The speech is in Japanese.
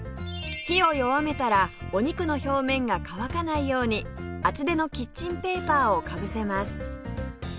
火を弱めたらお肉の表面が乾かないように厚手のキッチンペーパーをかぶせます